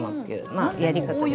まあやり方です。